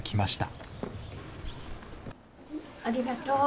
ありがとう。